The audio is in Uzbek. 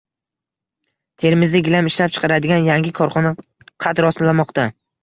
Termizda gilam ishlab chiqaradigan yangi korxona qad rostlamoqda